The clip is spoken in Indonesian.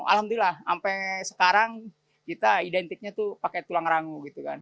alhamdulillah sampai sekarang kita identiknya pakai tulang rangu